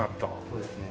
そうですね。